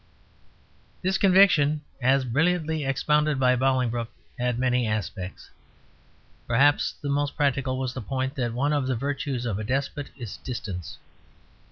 This conviction, as brilliantly expounded by Bolingbroke, had many aspects; perhaps the most practical was the point that one of the virtues of a despot is distance.